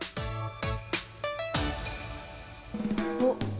おっ。